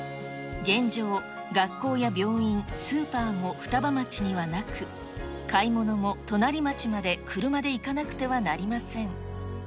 現状、学校や病院、スーパーも双葉町にはなく、買い物も隣町まで車で行かなくてはなりません。